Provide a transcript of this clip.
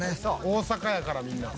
大阪やからみんな。